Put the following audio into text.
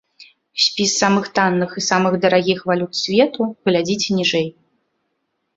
Спіс самых танных і самых дарагіх валют свету глядзіце ніжэй.